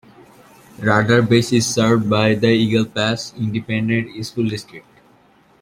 Radar Base is served by the Eagle Pass Independent School District.